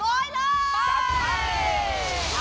โกยเร็ว